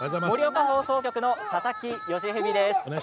盛岡放送局の佐々木芳史です。